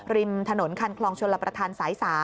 ริมถนนคันคลองชลประธานสาย๓